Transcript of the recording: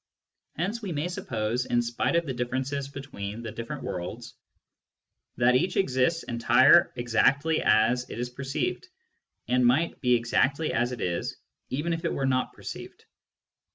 Hence we may suppose, in spite of the differences between the different worlds, that each exists entire exactly as it is perceived, and might be exactly as it is even if it were not perceived.